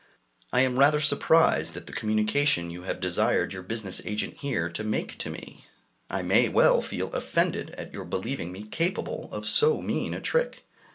I am rather surprised at the communication you have desired your business agent here to make to me; I may well feel offended at your believing me capable of so mean a trick.